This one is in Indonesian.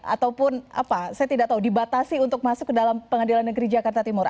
ataupun apa saya tidak tahu dibatasi untuk masuk ke dalam pengadilan negeri jakarta timur